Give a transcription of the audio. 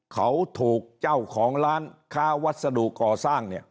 เขาถูกเจ้าของร้านค้าวัสดุก่อสร้างเนี่ย